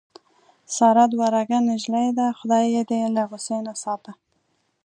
ساره دوه رګه نجیلۍ ده. خدای یې دې له غوسې نه ساته.